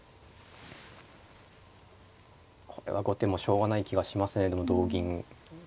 これは後手もしょうがない気がしますねでも同銀。